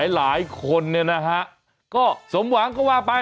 หลายคนก็สมหวังก็ว่าไป